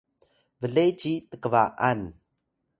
ble ci tkba’an